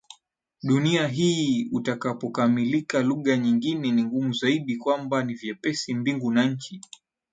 dunia hii utakapokamilika lugha nyingine ni ngumu Zaidi kwamba ni vyepesi mbingu na nchi